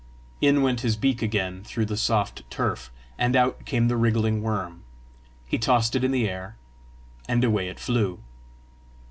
In went his beak again through the soft turf, and out came the wriggling worm. He tossed it in the air, and away it flew.